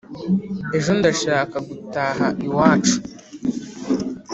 ejo ndashaka gutaha.iwacu